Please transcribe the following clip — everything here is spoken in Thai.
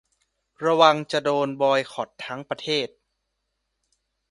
ระวังจะโดนบอยคอตทั้งประเทศ